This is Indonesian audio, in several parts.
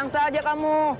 sim aku memang belum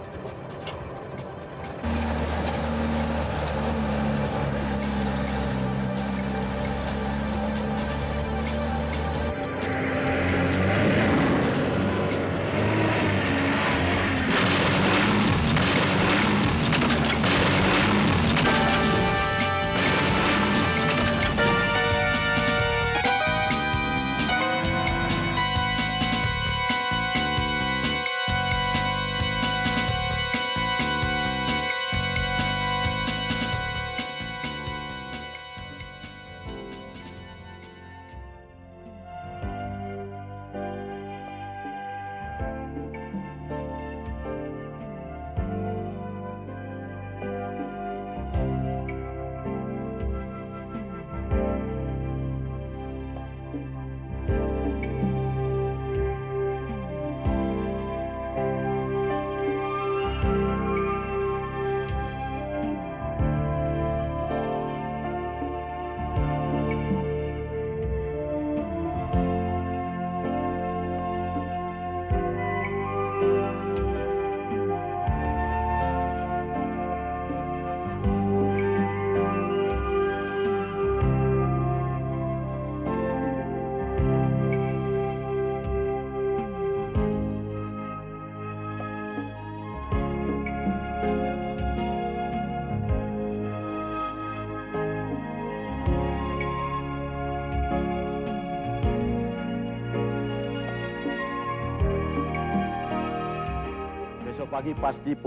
punya sim